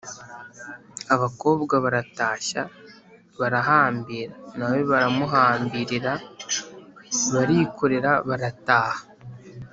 abakobwa baratashya barahambira, na we baramuhambirira barikorera barataha.